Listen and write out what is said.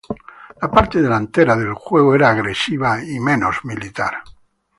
La parte delantera del juego era agresiva y menos militar.